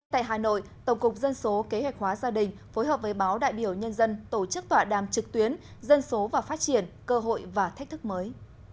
tại hà nội tổng cục dân số kế hoạch hóa gia đình phối hợp với báo đại biểu nhân dân tổ chức tọa đàm trực tuyến dân số và phát triển cơ hội và thách thức mới